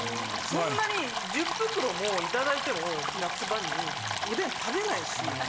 そんなに１０袋もいただいても夏場におでん食べないし。